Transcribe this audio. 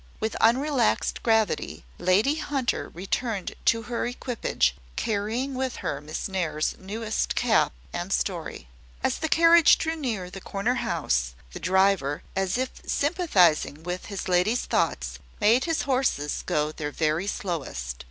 With unrelaxed gravity, Lady Hunter returned to her equipage, carrying with her Miss Nares's newest cap and story. As the carriage drew near the corner house, the driver, as if sympathising with his lady's thoughts, made his horses go their very slowest.